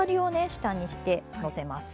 下にしてのせます。